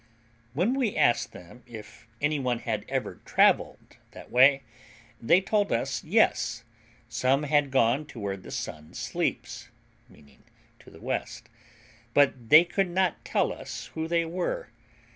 When we asked them if any one had ever travelled that way, they told us yes, some had gone to where the sun sleeps, meaning to the west, but they could not tell us who they were.